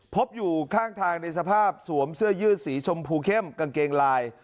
พบอยู่ข้างทางในสภาพสวมเสื้อยืดสีชมพูเข้มกางเกงลาย